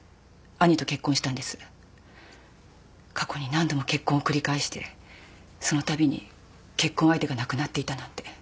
過去に何度も結婚を繰り返してそのたびに結婚相手が亡くなっていたなんて。